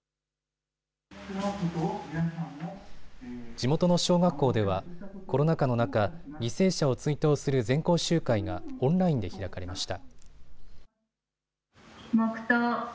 地元の小学校ではコロナ禍の中、犠牲者を追悼する全校集会がオンラインで開かれました。